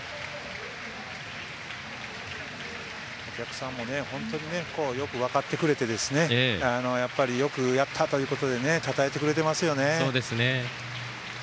お客さんも本当によく分かってくれてよくやったということでたたえてくれていますよね。